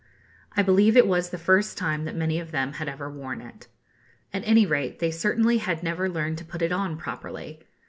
I believe it was the first time that many of them had ever worn it. At any rate, they certainly had never learned to put it on properly.